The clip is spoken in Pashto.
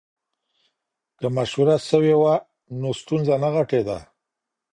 که مشوره سوې وه نو ستونزه نه غټېده.